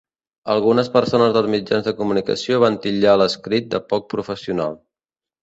Algunes persones dels mitjans de comunicació van titllar l'escrit de poc professional.